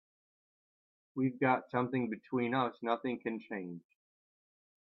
We've got something between us nothing can change.